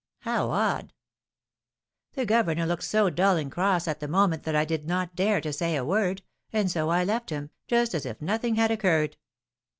"How odd!" "The governor looked so dull and cross at the moment that I did not dare to say a word, and so I left him, just as if nothing had occurred."